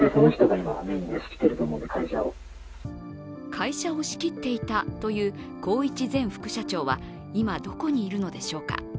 会社を仕切っていたという宏一前副社長は今どこにいるのでしょうか。